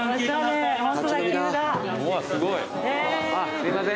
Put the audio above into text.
すいません